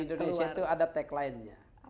indonesia itu ada tagline nya